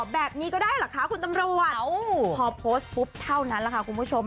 แบบนี้ก็ได้เหรอคะคุณตำรวจพอโพสต์ปุ๊บเท่านั้นแหละค่ะคุณผู้ชม